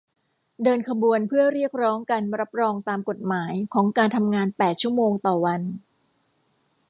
เดินขบวนเพื่อเรียกร้องการรับรองตามกฎหมายของการทำงานแปดชั่วโมงต่อวัน